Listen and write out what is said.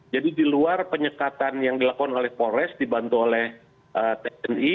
jadi di luar penyekatan yang dilakukan oleh polres dibantu oleh teknologi